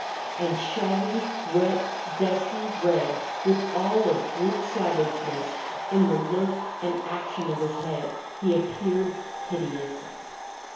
And shaggy, wet, dusty red, with all of brute savageness in the look and action of his head, he appeared hideous.